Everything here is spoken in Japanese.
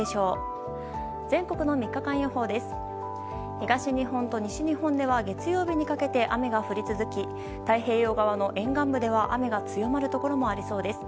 東日本と西日本では月曜日にかけて雨が降り続き太平洋側の沿岸部では雨が強まるところもありそうです。